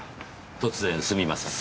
突然すみません。